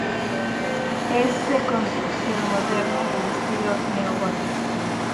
Es de construcción moderna en estilo neogótico.